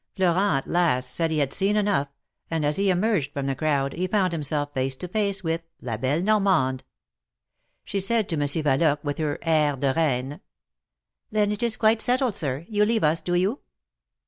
Florent at last said he had seen enough, and as he emerged from the crowd, he found himself face to face with La belle Nor mande." She said to Monsieur Valoque, with her^^a^r de reine :" Then it is quite settled, sir; you leave us, do you?"